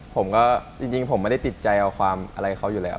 ผมก็จริงผมไม่ได้ติดใจเอาความอะไรเขาอยู่แล้ว